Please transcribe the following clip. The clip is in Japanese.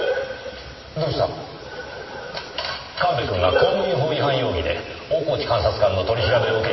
神戸くんが公務員法違反容疑で大河内監察官の取り調べを受けているそうです。